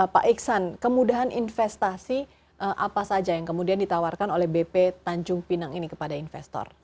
pak iksan kemudahan investasi apa saja yang kemudian ditawarkan oleh bp tanjung pinang ini kepada investor